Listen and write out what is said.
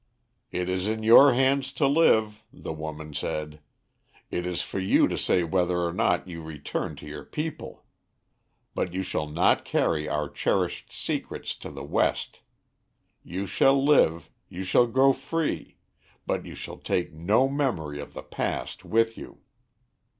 "It is in your hands to live,' the woman said; 'it is for you to say whether or not you return to your people. But you shall not carry our cherished secrets to the West. You shall live, you shall go free, but you shall take no memory of the past with you!'